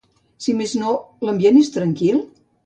Si més no, l'ambient és tranquil?